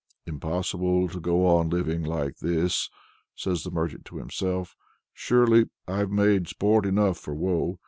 "Impossible to go on living like this!" says the merchant to himself. "Surely I've made sport enough for Woe!